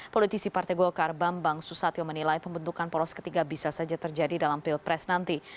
politisi partai golkar bambang susatyo menilai pembentukan poros ketiga bisa saja terjadi dalam pilpres nanti